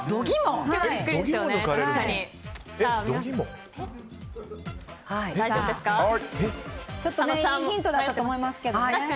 いいヒントだったと思いますけど。